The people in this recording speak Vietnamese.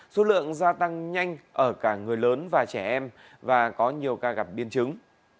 số lượng gia tăng nhanh ở cả người lớn và trẻ em và có nhiều ca gặp biên chứng